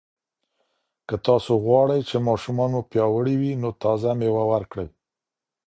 که تاسو غواړئ چې ماشومان مو پیاوړي وي، نو تازه مېوه ورکړئ.